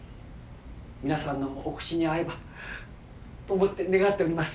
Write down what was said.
皆さんのお口に合えばと思って願っております。